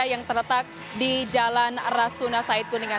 yang terletak di jalan rasuna said kuningan